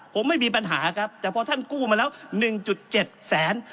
ผมไม่มีปัญหาครับแต่พอท่านกู้มาแล้ว๑๗แสน